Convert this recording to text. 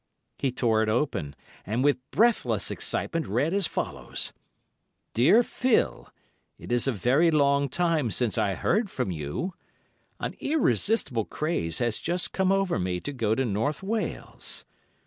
He tore it open, and with breathless excitement read as follows:—'Dear Phil,—It is a very long time since I heard from you.... An irresistible craze has just come over me to go to North Wales.